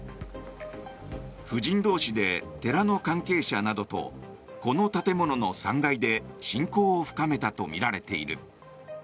夫人同士で寺の関係者などとこの建物の３階で親交を深めたとみられている。